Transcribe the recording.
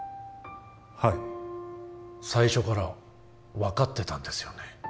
はい最初から分かってたんですよね